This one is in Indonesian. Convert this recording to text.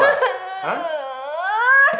sakitlah hati aku papa